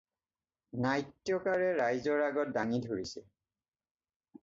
নাট্যকাৰে ৰাইজৰ আগত দাঙি ধৰিছে।